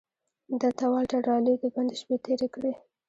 دلته والټر رالي د بند شپې تېرې کړې.